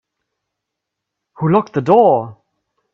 Who locked the door?